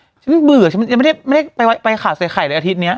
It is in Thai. อื้อฉันเบื่อฉันมันยังไม่ได้ไม่ได้ไปไว้ไปขาดเสร็คไข่เลยอาทิตย์นี้